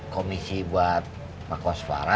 komisi buat pak wasfara